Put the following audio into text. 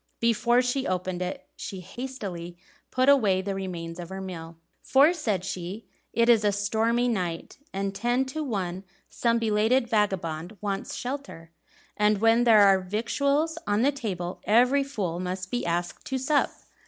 Before she opened it she hastily put away the remains of her meal. "For," said she, "it is a stormy night, and ten to one some belated vagabond wants shelter; and when there are victuals on the table every fool must be asked to sup."